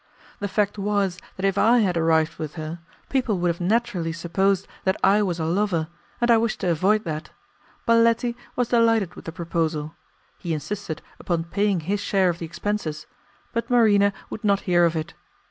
The fact was that if I had arrived with her, people would have naturally supposed that I was her lover, and I wished to avoid that. Baletti was delighted with the proposal; he insisted upon paying his share of the expenses, but Marina would not hear of it.